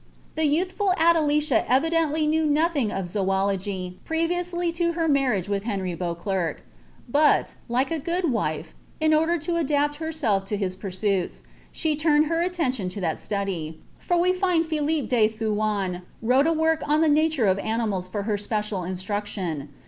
The youthful Adelicia evidently knew \g of soology previously to her marriage with Henry Beauclere; lie a good wife, in order to adapt herself to his pursuits, she turned «ntton to that study; for we find Philippe de Thuan wrote a work ( nature of animals for her special instruction.